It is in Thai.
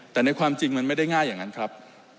แต่ในความจริงมันไม่ได้ง่ายอย่างนั้นครับ